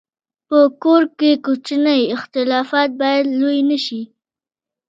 په کور کې کوچني اختلافات باید لوی نه شي.